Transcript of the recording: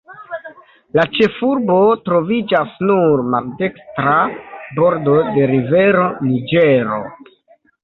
La ĉefurbo troviĝas sur maldekstra bordo de rivero Niĝero.